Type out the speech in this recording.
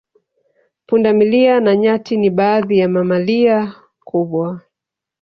Punda milia na nyati ni baadhi ya mamalia kubwa